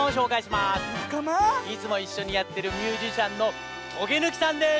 いつもいっしょにやってるミュージシャンのトゲぬきさんです！